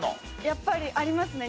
やっぱりありますね。